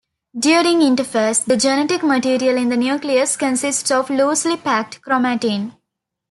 During interphase, the genetic material in the nucleus consists of loosely packed chromatin.